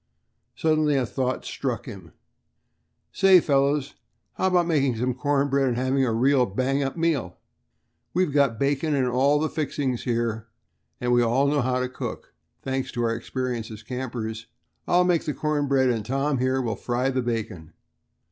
Suddenly a thought struck him. "Say, fellows," he called, "how about making some cornbread and having a real bang up meal? We've got bacon and all the fixings here, and we all know how to cook, thanks to our experience as campers. I'll make the corn bread, and Tom here will fry the bacon."